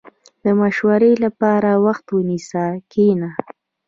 • د مشورې لپاره وخت ونیسه، کښېنه.